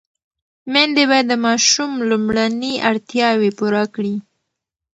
مېندې باید د ماشوم لومړني اړتیاوې پوره کړي.